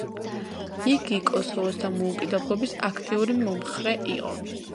იგი კოსოვოს დამოუკიდებლობის აქტიური მომხრე იყო.